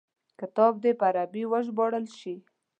کتاب دي په عربي وژباړل شي.